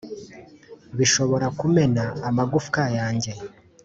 bishobora kumena amagufwa yanjye